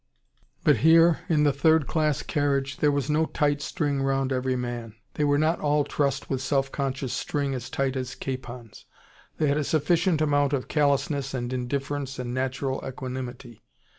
But here, in the third class carriage, there was no tight string round every man. They were not all trussed with self conscious string as tight as capons. They had a sufficient amount of callousness and indifference and natural equanimity.